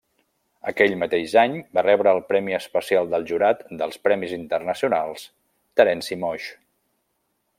Aquell mateix any va rebre el Premi Especial del Jurat dels Premis Internacionals Terenci Moix.